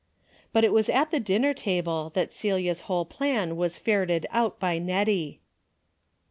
But it was at the dinner table that Celia's whole plan was ferreted out by Nettie.